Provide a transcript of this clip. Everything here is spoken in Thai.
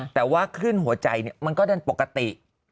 แต่ว่าขึ้นหัวใจมันก็ดันปกติ